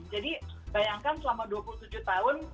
jadi bayangkan selama dua puluh tujuh tahun